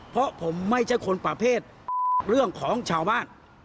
เพราะผมไม่ใช่คนประเภทเรื่องของชาวบ้าน